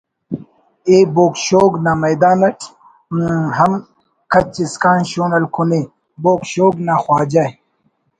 ئے بوگ شوگ نا میدان اٹ ہم کچ اسکان شون الکونے بوگ شوگ نا خواجہ